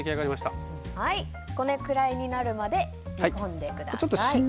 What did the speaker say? これぐらいになるまで煮込んでください。